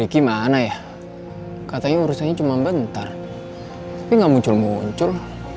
si riki mana ya katanya urusannya cuma bentar tapi gak muncul muncul